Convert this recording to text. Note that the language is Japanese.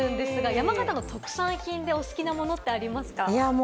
山形の特産品でお好きなものってありますか？